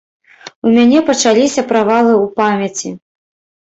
У мяне пачаліся правалы ў памяці.